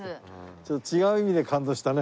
ちょっと違う意味で感動したね。